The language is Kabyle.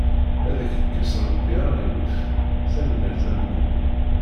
Ad ak-ikkes Rabbi aɣilif, tanemmirt a mmi.